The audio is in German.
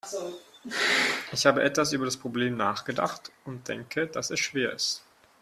Ich habe etwas über das Problem nachgedacht und denke, dass es schwer ist.